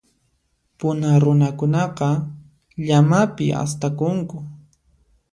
Puna runakunaqa, llamapi astakunku.